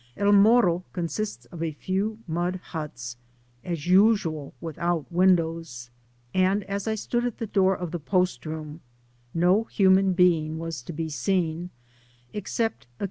El Morro consists of a few mud huts, as usual without windows ; and as I stood at the door of the post room no human being was to be seen, exc^t occa.